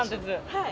はい。